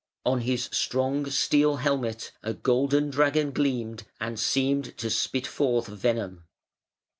On his strong steel helmet a golden dragon gleamed and seemed to spit forth venom.